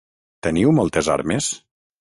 Teniu moltes armes?